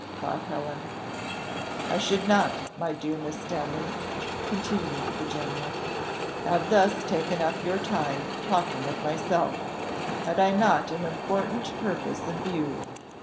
thought Helen. "I should not, my dear Miss Stanley," continued the general, "have thus taken up your time talking of myself, had I not an important purpose in view.